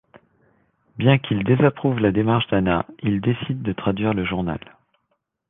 Bien qu'ils désapprouvent la démarche d'Anna, ils décident de traduire le journal.